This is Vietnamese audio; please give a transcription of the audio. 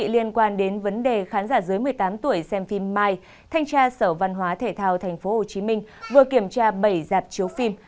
liên quan đến vấn đề khán giả dưới một mươi tám tuổi xem phim mai thanh tra sở văn hóa thể thao tp hcm vừa kiểm tra bảy giạp chiếu phim